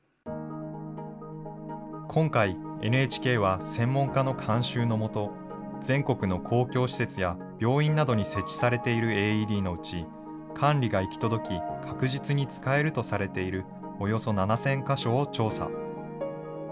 今回、ＮＨＫは専門家の監修のもと、全国の公共施設や病院などに設置されているＡＥＤのうち、管理が行き届き、確実に使えるとされているおよそ７０００か所を調査。